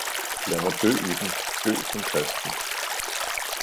lad mig dø i den, dø som kristen!